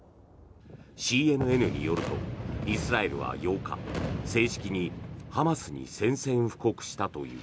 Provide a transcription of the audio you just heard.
ＣＮＮによるとイスラエルは８日正式にハマスに宣戦布告したという。